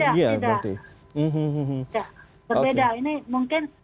tidak berbeda ini mungkin